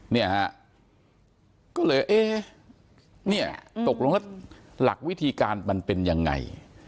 เนี่ยฮะก็เลยเอ๊ะเนี่ยตกลงแล้วหลักวิธีการมันเป็นยังไง